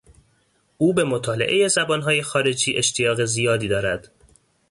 او به مطالعهٔ زبان های خارجی اشتیاق زیادی دارد.